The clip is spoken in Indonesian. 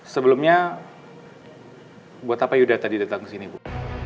sebelumnya buat apa yuda tadi datang ke sini bu